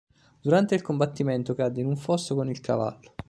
Durante il combattimento cadde in un fosso con il cavallo.